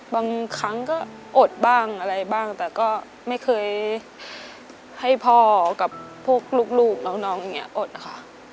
บางครั้งก็อดบ้างอะไรบ้างแต่ก็ไม่เคยให้พ่อกับพวกลูกน้องอย่างนี้อดนะคะ